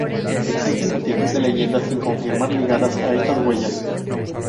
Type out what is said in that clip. Existen multitud de leyendas sin confirmar ligadas a estas huellas.